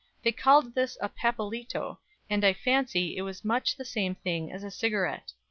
They called this a papelito, and I fancy it was much the same thing as a cigarette."